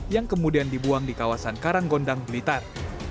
yang kemudian dibuang di kawasan karanggondang blitar